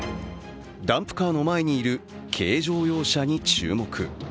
ダンプカーの前にいる軽乗用車に注目。